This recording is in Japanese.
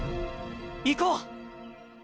行こう！